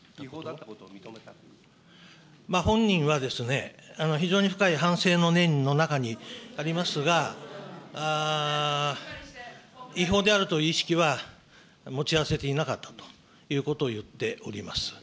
本人は、非常に深い反省の念の中にありますが、違法であるという意識は持ち合わせていなかったということを言っております。